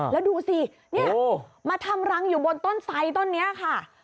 แล้วดูสิมาทำรังอยู่บนต้นทรายต้นนี้ค่ะ